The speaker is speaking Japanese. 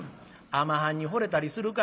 尼はんに惚れたりするかいな」。